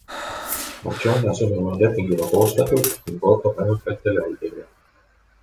Marchionne sõnul on leping juba koostatud ning ootab ainult Vetteli allkirja.